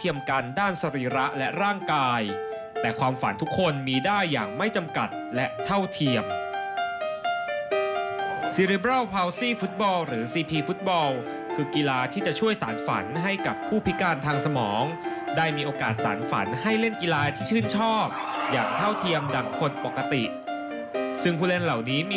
อีกหนึ่งชนิดกีฬาที่ถือว่าประสบความสำเร็จค่ะ